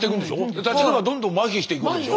舌がどんどんまひしていくんでしょ。